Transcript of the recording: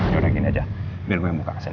ya udah gini aja biar gue muka kesini